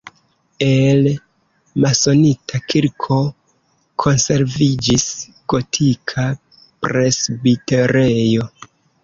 El masonita kirko konserviĝis gotika presbiterejo.